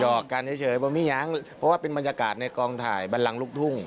จอกกันก็เฉยเพราะบนอย่างนะเพราะเป็นบรรยากาศในลงถ่ายบอร์เขมลังลูกทุ่ง